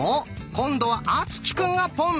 今度は敦貴くんが「ポン」。